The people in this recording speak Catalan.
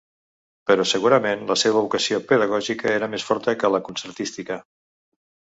Però segurament la seva vocació pedagògica era més forta que la concertística.